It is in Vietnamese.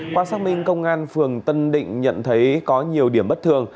qua xác minh công an phường tân định nhận thấy có nhiều điểm bất thường